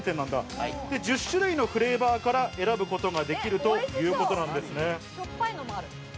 １０種類のフレーバーから選ぶことができるということなんですね。